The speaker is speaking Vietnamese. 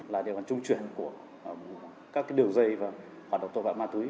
là địa bàn trung truyền của các đường dây và độc tội về ma túy